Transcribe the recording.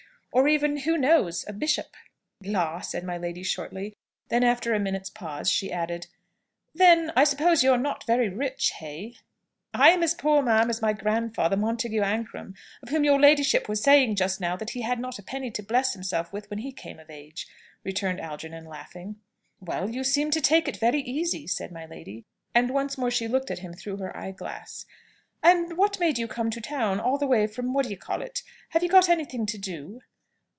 D. or even, who knows? a bishop!" "La!" said my lady, shortly. Then, after a minute's pause, she added, "Then, I suppose, you're not very rich, hey?" "I am as poor, ma'am, as my grandfather, Montagu Ancram, of whom your ladyship was saying just now that he had not a penny to bless himself with when he came of age," returned Algernon, laughing. "Well, you seem to take it very easy," said my lady. And once more she looked at him through her eye glass. "And what made you come to town, all the way from what d'ye call it? Have you got anything to do?"